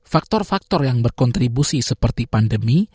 faktor faktor yang berkontribusi seperti pandemi